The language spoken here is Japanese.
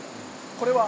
これは？